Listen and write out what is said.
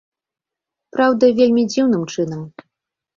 Праўда, вельмі дзіўным чынам.